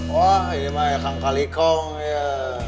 wah ini mah yang kagetan ya